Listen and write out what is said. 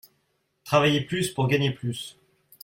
Travailler plus pour gagner plus